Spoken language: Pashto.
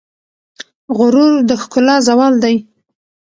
غرور د ښکلا زوال دی.